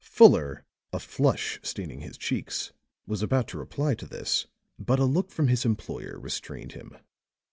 Fuller, a flush staining his cheeks, was about to reply to this; but a look from his employer restrained him.